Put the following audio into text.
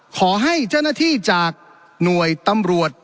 ขอให้เจ้าหน้าที่จากหน่วยตำรวจ